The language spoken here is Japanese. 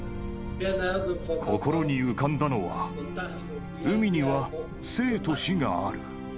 心に浮かんだのは、海には生と死がある。